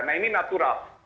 nah ini natural